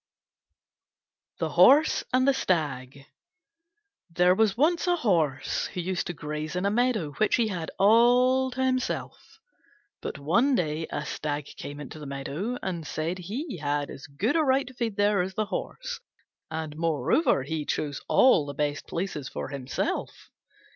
THE HORSE AND THE STAG There was once a Horse who used to graze in a meadow which he had all to himself. But one day a Stag came into the meadow, and said he had as good a right to feed there as the Horse, and moreover chose all the best places for himself.